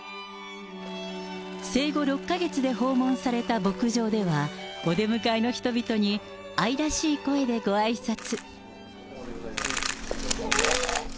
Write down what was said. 生後６か月で訪問された牧場では、お出迎えの人々に愛らしい声でごあいさつ。